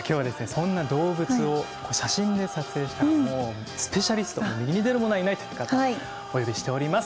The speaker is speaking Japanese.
そんな動物を写真で撮影したらもうスペシャリスト右に出る者はいないという方をお呼びしております。